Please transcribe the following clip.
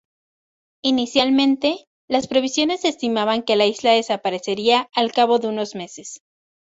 Inicialmente, las previsiones estimaban que la isla desaparecería al cabo de unos meses.